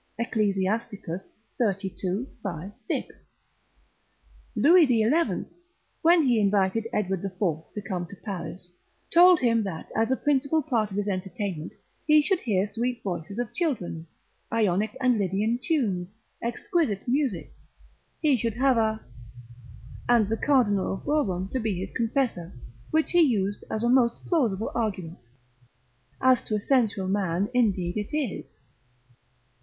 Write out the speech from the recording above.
Ecclus. xxxii. 5, 6. Louis the Eleventh, when he invited Edward the Fourth to come to Paris, told him that as a principal part of his entertainment, he should hear sweet voices of children, Ionic and Lydian tunes, exquisite music, he should have a —, and the cardinal of Bourbon to be his confessor, which he used as a most plausible argument: as to a sensual man indeed it is.